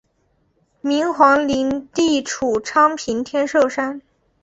明皇陵地处昌平天寿山。